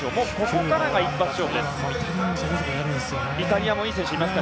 ここからが一発勝負です。